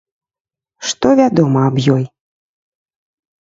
Што вядома аб ёй?